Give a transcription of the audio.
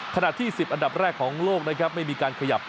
ขณะที่๑๐อันดับแรกของโลกนะครับไม่มีการขยับ